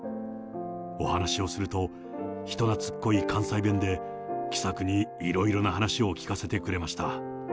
お話をすると人懐っこい関西弁で、気さくにいろいろな話を聞かせてくれました。